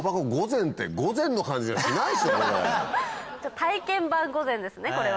体験版御膳ですねこれは。